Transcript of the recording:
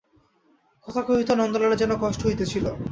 কথা কহিতেও নন্দলালের যেন কষ্ট হইতেছিল।